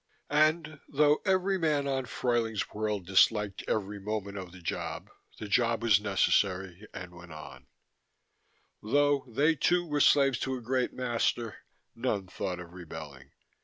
And, though every man on Fruyling's World disliked every moment of the job, the job was necessary, and went on: though they, too, were slaves to a great master, none thought of rebelling.